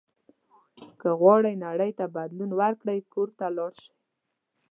که غواړئ نړۍ ته بدلون ورکړئ کور ته لاړ شئ.